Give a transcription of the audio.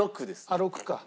あっ６か。